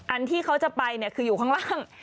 ที่เขาจะไปคืออยู่ข้างล่าง